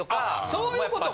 そういうことか。